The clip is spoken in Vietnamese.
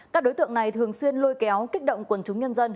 các đối tượng này thường xuyên lôi kéo kích động quần chúng nhân dân